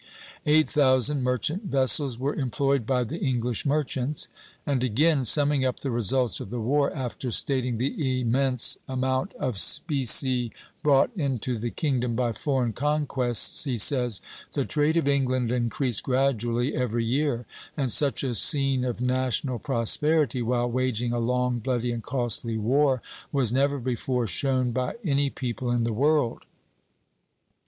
Eight thousand merchant vessels were employed by the English merchants." And again, summing up the results of the war, after stating the immense amount of specie brought into the kingdom by foreign conquests, he says: "The trade of England increased gradually every year, and such a scene of national prosperity, while waging a long, bloody, and costly war, was never before shown by any people in the world."